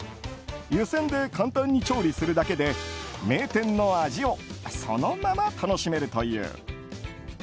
湯せんで簡単に調理するだけで名店の味をそのまま楽しめるという。